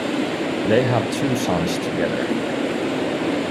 They have two sons together.